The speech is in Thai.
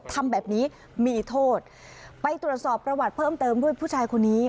ทำแบบนี้มีโทษไปตรวจสอบประวัติเพิ่มเติมด้วยผู้ชายคนนี้